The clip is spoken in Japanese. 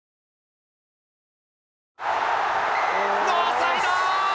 ノーサイド！